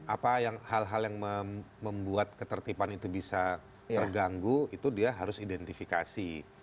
apa hal hal yang membuat ketertiban itu bisa terganggu itu dia harus identifikasi